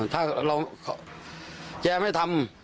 ถ้าเราแกไม่ทำ